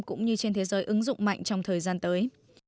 cũng như trên thế giới ứng dụng mạnh trong thời gian tới